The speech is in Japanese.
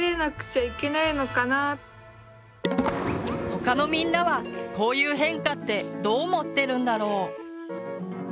他のみんなはこういう変化ってどう思ってるんだろう？